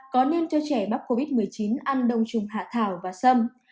ba có nên cho trẻ bắp covid một mươi chín ăn đông trùng hạn thảo và sâm